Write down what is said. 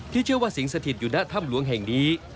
เชื่อว่าสิงสถิตอยู่หน้าถ้ำหลวงแห่งนี้